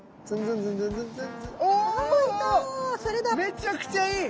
めちゃくちゃいい！